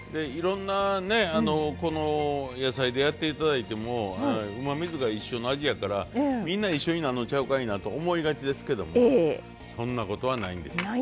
いろんなね野菜でやって頂いてもうまみ酢が一緒の味やからみんな一緒になんのちゃうかいなと思いがちですけどもそんなことはないんです。